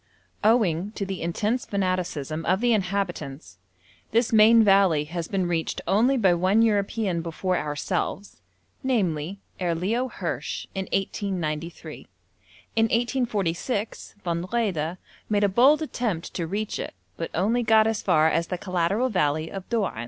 Owing to the intense fanaticism of the inhabitants, this main valley has been reached only by one European before ourselves namely, Herr Leo Hirsch, in 1893. In 1846 Von Wrede made a bold attempt to reach it, but only got as far as the collateral valley of Doan.